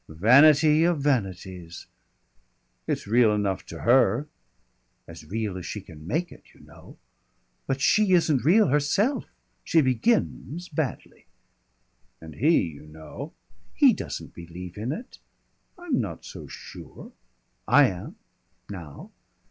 Vanity of vanities " "It's real enough to her." "As real as she can make it, you know. But she isn't real herself. She begins badly." "And he, you know " "He doesn't believe in it." "I'm not so sure." "I am now."